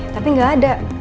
tapi gak ada